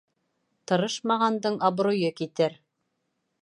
Тырышмағандың абруйы китер.